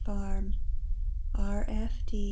Farm R. F. D.